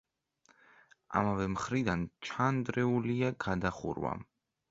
ამავე მხრიდან ჩანდრეულია გადახურვა.